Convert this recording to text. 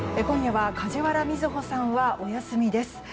今夜は梶原みずほさんはお休みです。